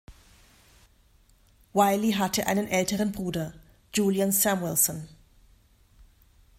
Wylie hatte einen älteren Bruder, Julian Samuelson.